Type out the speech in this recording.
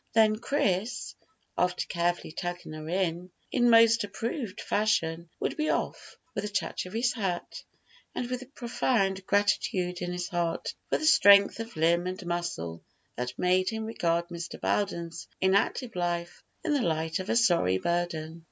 Then Chris, after carefully tucking her in, in most approved fashion, would be off, with a touch of his hat, and with profound gratitude in his heart for the strength of limb and muscle that made him regard Mr. Belden's inactive life in the light of a sorry burden.